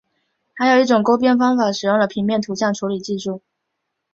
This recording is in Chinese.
还有一种勾边方法使用了平面图像处理技术。